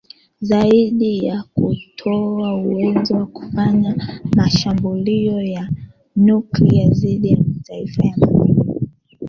zaidi ya kutoa uwezo wa kufanya mashambulio ya nuklia dhidi ya mataifa ya magharibi